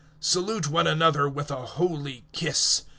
016:016 Salute one another with a holy kiss.